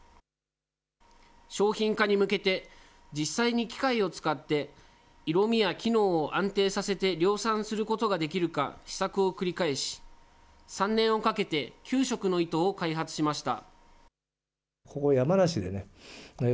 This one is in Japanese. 商品化に向けて、実際に機械を使って色味や機能を安定させて量産することができるか、試作を繰り返し、３年をかけて９色の糸を開発しました。